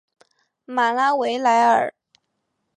马拉维莱尔。